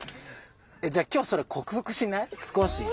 じゃあ今日それ克服しない？